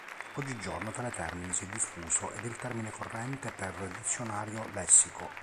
Oggigiorno tale termine si è diffuso ed è il termine corrente per "dizionario, lessico".